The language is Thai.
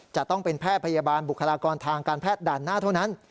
จะต้องเป็นแพทย์พยาบาลบุคลากรทางการแพทย์ด่านหน้าเท่านั้น